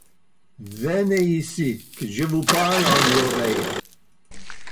Venez icy, que ie vous parle en l’aureille.